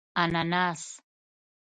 🍍 انناس